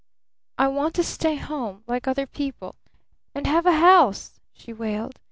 "I want to stay home like other people and have a house," she wailed.